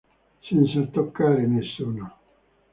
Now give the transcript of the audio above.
Senza toccare nessuno.